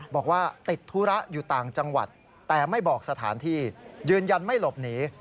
บอกว่าติดธุระอยู่ต่างจังหวัดแต่ไม่บอกสถานที่ยืนยันไม่หลบหนี